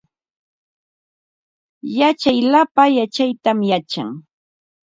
Yachaq lapa yachaytam yachan